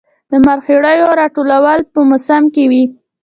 د مرخیړیو راټولول په موسم کې وي